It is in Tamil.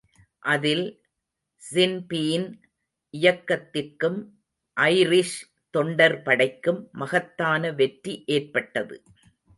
அதில் ஸின்பீன் இயக்கத்திற்கும் ஐரிஷ் தொண்டர்படைக்கும் மகத்தான வெற்றி ஏற்பட்டது.